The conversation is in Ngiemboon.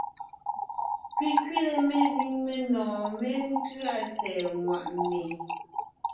Pi kẅile mezíŋ menɔ̀ɔn méntʉ́a tsɛ̀ɛ ŋwàʼne.